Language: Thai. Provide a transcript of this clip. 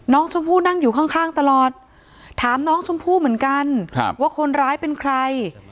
น้องชมพู่นั่งอยู่ข้างตลอดถามน้องชมพู่เหมือนกันว่าคนร้ายเป็นใคร